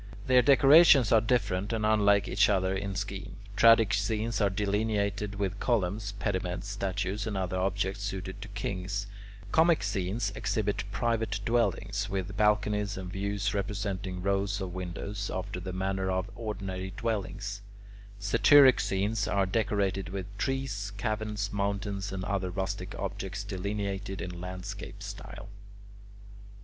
Their decorations are different and unlike each other in scheme. Tragic scenes are delineated with columns, pediments, statues, and other objects suited to kings; comic scenes exhibit private dwellings, with balconies and views representing rows of windows, after the manner of ordinary dwellings; satyric scenes are decorated with trees, caverns, mountains, and other rustic objects delineated in landscape style.